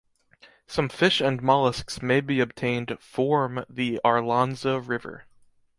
Some fish and mollusks may be obtained form the Arlanza river.